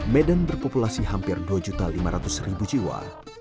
medan berpopulasi hampir dua lima ratus jiwa